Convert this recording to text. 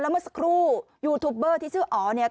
เมื่อสักครู่ยูทูปเบอร์ที่ชื่ออ๋อเนี่ย